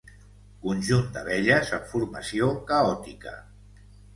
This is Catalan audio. Conjunt d'abelles en formació caòtica.